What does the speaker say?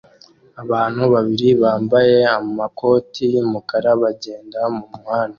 Abantu babiri bambaye amakoti yumukara bagenda mumuhanda